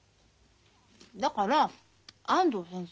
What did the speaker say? だから安藤先生。